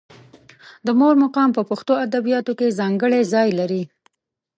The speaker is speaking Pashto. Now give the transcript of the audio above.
د مور مقام په پښتو ادبیاتو کې ځانګړی ځای لري.